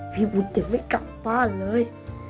พี่วุฒิยังไม่กลับบ้านเลย